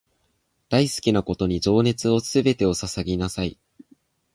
大好きなことに情熱のすべてを注ぎなさい